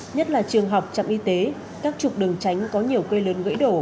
nhất là trường học trạm y tế các trục đường tránh có nhiều cây lớn gãy đổ